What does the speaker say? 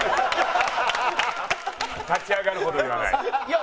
立ち上がるほどではない。